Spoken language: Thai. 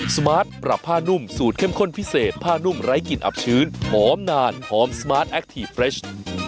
สมาร์ทปรับผ้านุ่มสูตรเข้มข้นพิเศษผ้านุ่มไร้กลิ่นอับชื้นหอมนานหอมสมาร์ทแคคทีฟเรช